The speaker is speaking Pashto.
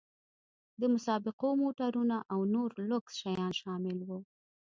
د مسابقو موټرونه او نور لوکس شیان شامل وو.